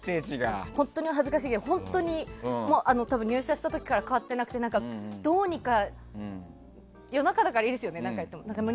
本当に恥ずかしいけど本当に多分、入社した時から変わっていなくてどうにか夜中だからいいですよね言っても。